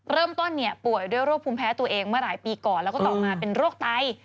เริ่มต้นป่วยด้วยโรคภูมิแพ้ตัวเองเมื่อหลายปีก่อนแล้วก็ต่อมาเป็นโรคไต